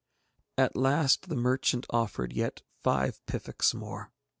At last the merchant offered yet five piffeks more.